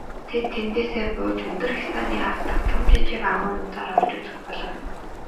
Тэд тэндээсээ бууж өндөр хясааны ар дахь том жижиг агуйнуудаар орж үзэх болов.